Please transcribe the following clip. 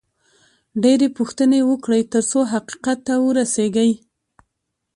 ډېرې پوښتنې وکړئ، ترڅو حقیقت ته ورسېږئ